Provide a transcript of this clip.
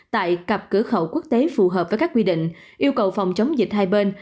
tại cặp cửa khẩu quốc tế phù hợp với các quy định yêu cầu phòng chống dịch hai bên